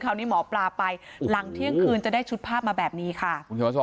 หมอปลาไปหลังเที่ยงคืนจะได้ชุดภาพมาแบบนี้ค่ะ